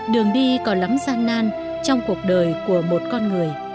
đường đi còn lắm gian nan trong cuộc đời của một con người